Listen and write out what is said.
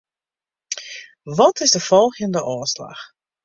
Wat is de folgjende ôfslach?